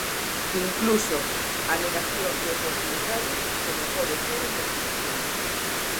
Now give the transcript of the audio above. Incluso a negación de oportunidades como pode ser a investigación.